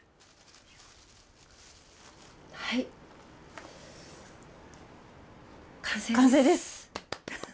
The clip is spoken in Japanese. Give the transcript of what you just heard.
はい、完成です。